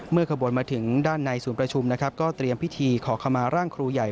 ขบวนมาถึงด้านในศูนย์ประชุมนะครับก็เตรียมพิธีขอขมาร่างครูใหญ่